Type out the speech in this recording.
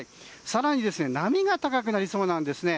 更に波が高くなりそうなんですね。